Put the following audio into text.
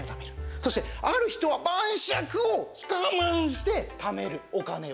そして、ある人は晩酌を我慢してためる、お金を。